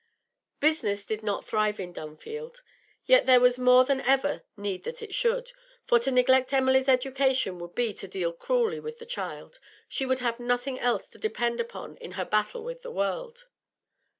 Business did not thrive in Dunfield; yet there was more than ever need that it should, for to neglect Emily's education would be to deal cruelly with the child she would have nothing else to depend upon in her battle with the world.